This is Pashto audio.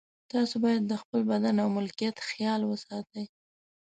تاسو باید د خپل بدن او ملکیت خیال وساتئ.